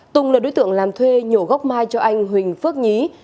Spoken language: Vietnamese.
tùng là đối tượng làm thuê nhổ gốc mai cho anh huỳnh phước nhí